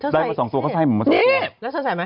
ได้มาสองสัวเขาใส่หนูมาสองสัว